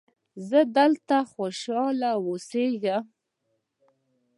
زه دلته خوشحاله اوسیږم.